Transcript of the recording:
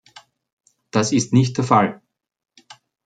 Das ist nicht der Fall!